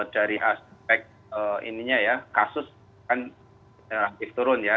dari aspek ininya ya kasus kan relatif turun ya